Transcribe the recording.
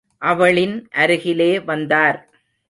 அவளின் அருகிலே வந்தார்.